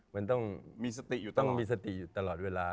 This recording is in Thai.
มันต้องมีสติอยู่ตลอดเวลา